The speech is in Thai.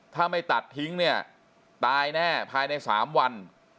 ถ้าไม่ตัดทิ้งเนี่ยตายแน่ภายใน๓วัน